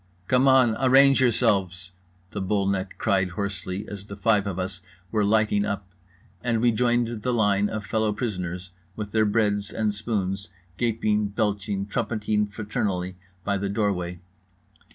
"Come on! Arrange yourselves!" the bull neck cried hoarsely as the five of us were lighting up; and we joined the line of fellow prisoners with their breads and spoons, gaping, belching, trumpeting fraternally, by the doorway.